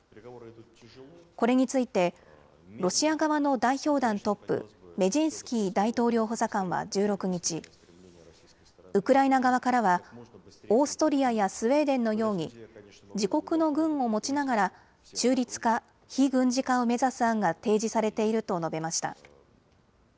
これについてロシア側の代表団トップ、メジンスキー大統領補佐官は１６日、ウクライナ側からはオーストリアやスウェーデンのように自国の軍を持ちながら中立化、非軍事化を目指す案が提示されていると述べました。